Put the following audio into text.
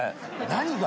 何が？